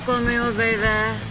ベイベー！